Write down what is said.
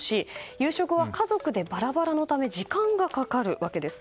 夕食は家族でバラバラのため時間がかかるわけです。